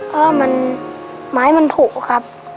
เพราะว่าไม้มันผูกครับ